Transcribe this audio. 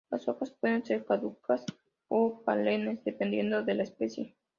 Las hojas pueden ser caducas o perennes, dependiendo de la especie.